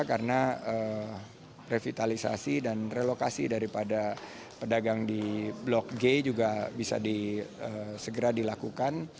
karena revitalisasi dan relokasi daripada pedagang di blok g juga bisa segera dilakukan